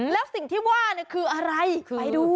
แล้วสิ่งที่ว่าคืออะไรไปดู